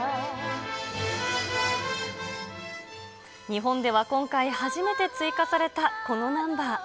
日本では今回初めて追加されたこのナンバー。